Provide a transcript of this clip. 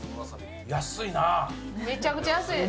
めちゃくちゃ安いです。